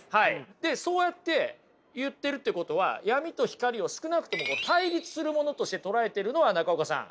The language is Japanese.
でそうやって言ってるってことは闇と光を少なくても対立するものとして捉えているのは中岡さん